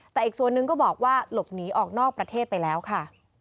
แต่อีกส่วนนึงก็บอกว่าหลบหนีออกนอกประเทศไปแล้วค่ะ